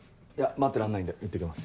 待ってらんないんでいってきます。